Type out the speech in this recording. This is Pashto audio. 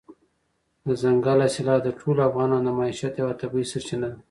دځنګل حاصلات د ټولو افغانانو د معیشت یوه طبیعي سرچینه ده.